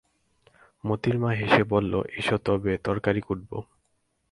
মোতির মা হেসে বললে, এসো তবে তরকারি কুটবে।